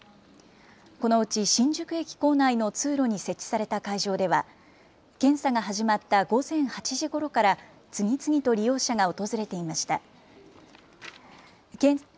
このうち新宿駅構内の通路に設置された会場では検査が始まった午前８時ごろから次々と利用者が訪れていました。